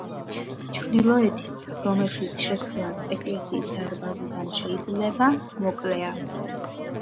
ჩრდილოეთის რომელშიც შესვლაც ეკლესიის დარბაზიდან შეიძლება, მოკლეა.